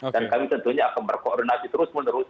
dan kami tentunya akan berkoordinasi terus menerus